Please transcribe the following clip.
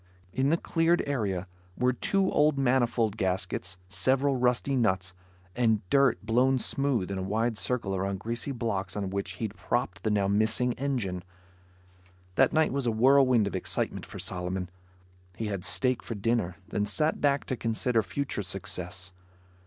In the cleared area, were two old manifold gaskets, several rusty nuts, and dirt blown smooth in a wide circle around greasy blocks on which he'd propped the now missing engine. That night was a whirlwind of excitement for Solomon. He had steak for dinner, then sat back to consider future success.